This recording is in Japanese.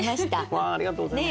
わあありがとうございます。